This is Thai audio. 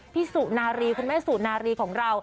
สุนารีคุณแม่สุนารีของเรา